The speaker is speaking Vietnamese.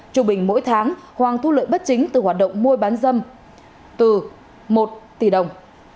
trung bình mỗi tháng hoàng thu lợi bất chính từ hoạt động mua bán dâm từ một tỷ đồng